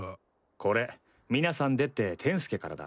これ皆さんでってテン助からだ。